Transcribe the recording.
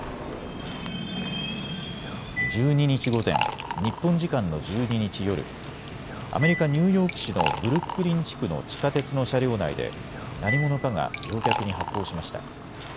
１２日午前、日本時間の１２日夜、アメリカ・ニューヨーク市のブルックリン地区の地下鉄の車両内で何者かが乗客に発砲しました。